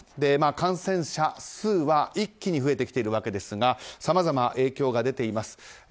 感染者数は一気に増えてきているわけですがさまざまな影響が出ています。